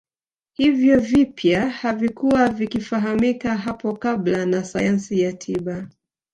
Hivyo vipya havikuwa vikifahamika hapo kabla na sayansi ya tiba